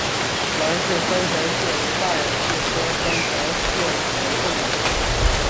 兰氏三强蟹为大眼蟹科三强蟹属的动物。